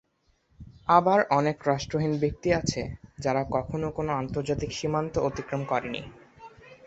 আবার অনেক রাষ্ট্রহীন ব্যক্তি আছে যারা কখনও কোনো আন্তর্জাতিক সীমান্ত অতিক্রম করেনি।